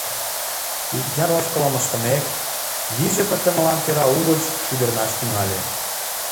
Икмыняр ошкылым ыштымек, вийже пытымылан кӧра угыч шӱдырнаш тӱҥале.